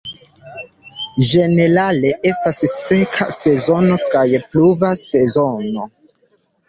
Ĝenerale estas seka sezono kaj pluva sezono.